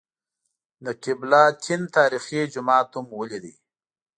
د قبله تین تاریخي جومات هم ولېد.